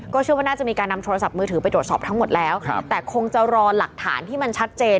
เชื่อว่าน่าจะมีการนำโทรศัพท์มือถือไปตรวจสอบทั้งหมดแล้วแต่คงจะรอหลักฐานที่มันชัดเจน